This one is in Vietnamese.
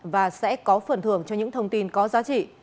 và sẽ có phần thưởng cho những thông tin có giá trị